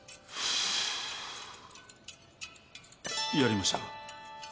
やりましたが。